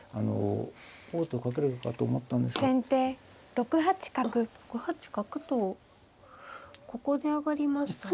６八角とここで上がりましたね。